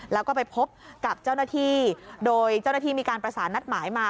แล้วก็ไปพบกับเจ้าหน้าที่โดยเจ้าหน้าที่มีการประสานนัดหมายมา